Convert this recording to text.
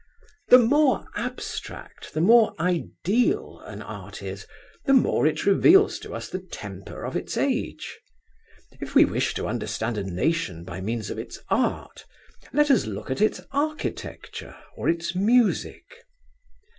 The more abstract, the more ideal an art is, the more it reveals to us the temper of its age. If we wish to understand a nation by means of its art, let us look at its architecture or its music.